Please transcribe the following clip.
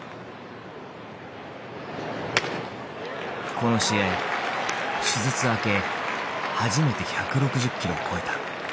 この試合手術明け初めて１６０キロを超えた。